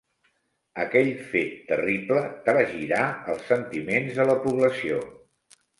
Aquell fet terrible tragirà els sentiments de la població.